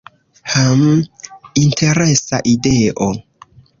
Hm, interesa ideo.